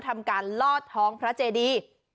ทำการลอดท้องพระเจดี